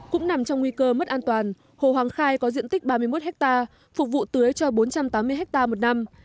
cũng nằm trong nguy cơ mất an toàn hồ hoàng khai có diện tích ba mươi một ha phục vụ tưới cho bốn trăm tám mươi hectare một năm